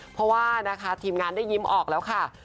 เพราะว่านะคะทีมงานได้ยิ้มออกแล้วค่ะ